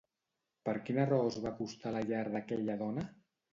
Per quina raó es va acostar a la llar d'aquella dona?